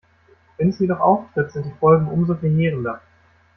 Wenn es jedoch auftritt, sind die Folgen umso verheerender.